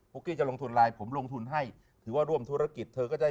กี้จะลงทุนไลน์ผมลงทุนให้ถือว่าร่วมธุรกิจเธอก็จะได้